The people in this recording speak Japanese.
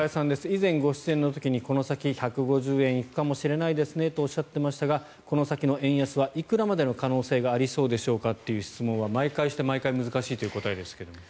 以前、ご出演の時にこの先１５０円行くかもしれないですねとおっしゃっていましたがこの先の円安はいくらまでの可能性がありそうでしょうかという毎回して毎回難しいという答えですが。